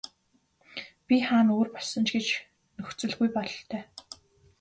Бие хаа нь өөр болсон ч гэж нөхцөлгүй бололтой.